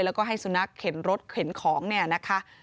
แล้วก็ให้สุนัขเข็นรถเข็นของเนี่ยนะคะ